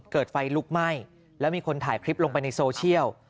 เกิดไฟลุกไหม้แล้วมีคนถ่ายคลิปลงไปในโซเชียล